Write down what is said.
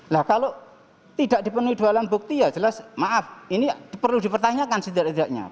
nah kalau tidak dipenuhi dua alat bukti ya jelas maaf ini perlu dipertanyakan setidak tidaknya